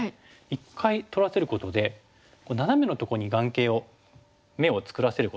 一回取らせることでナナメのとこに眼形を眼を作らせることになるんですよね。